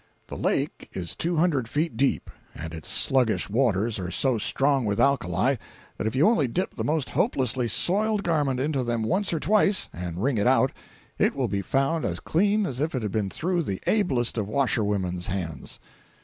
265.jpg (138K) The lake is two hundred feet deep, and its sluggish waters are so strong with alkali that if you only dip the most hopelessly soiled garment into them once or twice, and wring it out, it will be found as clean as if it had been through the ablest of washerwomen's hands.